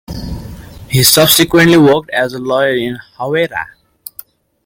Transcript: He subsequently worked as a lawyer in Hawera.